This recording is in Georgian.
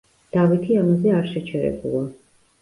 დავითი ამაზე არ შეჩერებულა.